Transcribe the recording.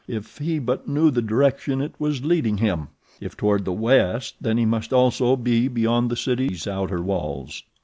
If he but knew the direction it was leading him! If toward the west, then he must also be beyond the city's outer walls.